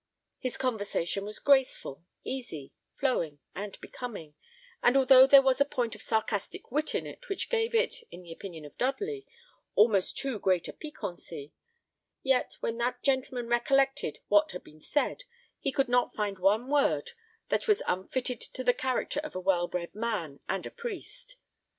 His conversation was graceful, easy, flowing, and becoming; and although there was a point of sarcastic wit in it which gave it, in the opinion of Dudley, almost too great a piquancy, yet when that gentleman recollected what had been said, he could not find one word that was unfitted to the character of a well bred man and a priest.